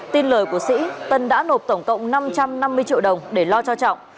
tin lời của sĩ tân đã nộp tổng cộng năm trăm năm mươi triệu đồng để lo cho trọng